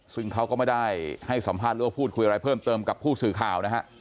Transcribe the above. ซึ่งเขาก็ไม่ได้ให้สัมภาษณ์หรือว่าพูดคุยอะไรเพิ่มเติมกับผู้สื่อข่าวนะฮะ